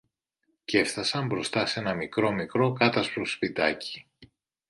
κι έφθασαν μπροστά σ' ένα μικρό-μικρό κάτασπρο σπιτάκι.